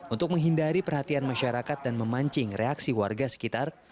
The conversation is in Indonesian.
untuk menghindari perhatian masyarakat dan memancing reaksi warga sekitar